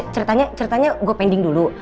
ceritanya gue pending dulu